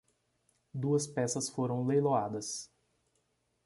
Duas peças foram leiloadas